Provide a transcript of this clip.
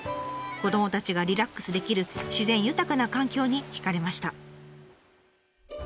子どもたちがリラックスできる自然豊かな環境に惹かれました。